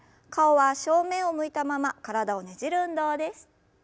顔は正面を向いたまま体をねじる運動です。